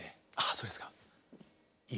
そうですか。